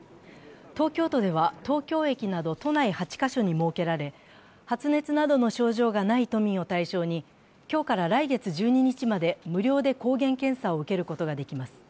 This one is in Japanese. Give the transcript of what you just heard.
東京都では東京駅など都内８か所に設けられ発熱などの症状がない都民を対象に今日から来月１２日まで無料で抗原検査を受けることができます。